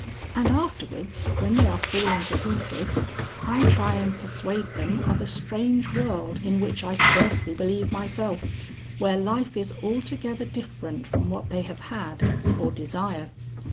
And afterwards when they are falling to pieces, I try and persuade them of a strange world in which I scarcely believe myself, where life is altogether different from what they have had or desire.